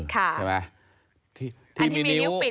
ใช่ไหม